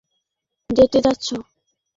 তুমি ডেটে যাচ্ছো।